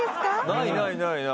ないないないない。